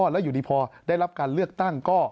แล้วอยู่ดีพอได้รับการเลือกตั้งก็